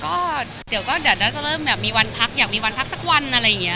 ก็เดี๋ยวก็เดี๋ยวจะเริ่มแบบมีวันพักอยากมีวันพักสักวันอะไรอย่างนี้